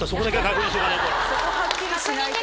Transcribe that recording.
そこはっきりしないとね。